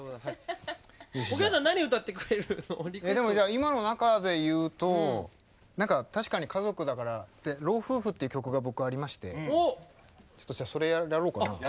今の中で言うと何か確かに家族だから「老夫婦」っていう曲が僕ありましてちょっとじゃあそれやろうかな。